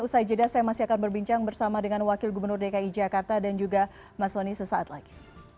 usai jeda saya masih akan berbincang bersama dengan wakil gubernur dki jakarta dan juga mas soni sesaat lagi